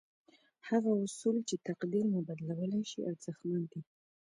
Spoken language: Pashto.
هغه اصول چې تقدير مو بدلولای شي ارزښتمن دي.